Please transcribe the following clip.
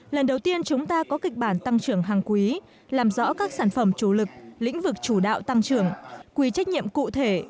lần đầu tiên chúng ta có kịch bản tăng trưởng hàng quý làm rõ các sản phẩm chủ lực lĩnh vực chủ đạo tăng trưởng quy trách nhiệm cụ thể